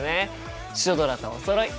シュドラとおそろい！